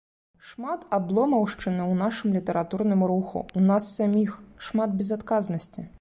Шмат абломаўшчыны ў нашым літаратурным руху, у нас саміх, шмат безадказнасці.